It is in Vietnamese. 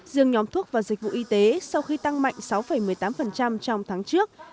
riêng nhóm thuốc và dịch vụ y tế sau khi tăng mạnh sáu một mươi tám trong tháng trước